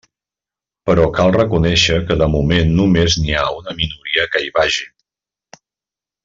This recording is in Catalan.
Però cal reconèixer que de moment només n'hi ha una minoria que hi vagi.